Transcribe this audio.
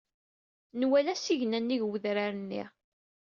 Nwala asigna nnig wedrar-nni.